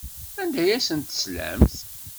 Anda ay asent-teslamt?